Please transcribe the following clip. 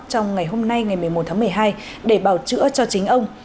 trong ngày hôm nay ngày một mươi một tháng một mươi hai để bảo chữa cho chính ông